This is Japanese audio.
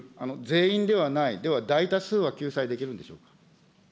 全員ではない、では大多数は救済できるんでしょうか。